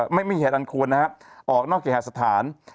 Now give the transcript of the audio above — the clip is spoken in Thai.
ไม่มีเหตุอันควรนะครับออกนอกเคหาสถาน